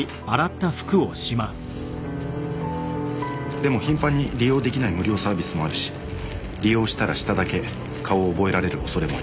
でも頻繁に利用できない無料サービスもあるし利用したらしただけ顔を覚えられる恐れもあります。